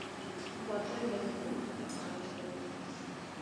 بادرنګ د خوب نه مخکې خوړل ښه دي.